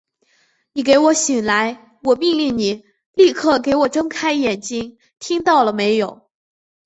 你给我醒来！我命令你立刻给我睁开眼睛，听到了没有！